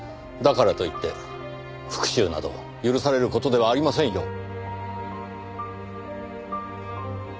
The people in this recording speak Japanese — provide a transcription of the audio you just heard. だからと言って復讐など許される事ではありませんよ。